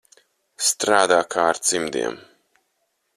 Strādā kā ar cimdiem.